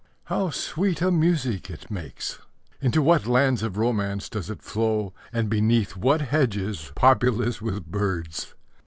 How sweet a music it makes! Into what lands of romance does it flow, and beneath what hedges populous with birds!